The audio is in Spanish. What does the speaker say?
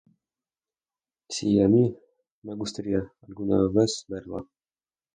Sí, a mí me gustaría alguna vez verla.